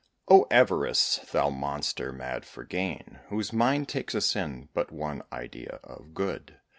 O Avarice! thou monster, mad for gain; Whose mind takes in but one idea of good!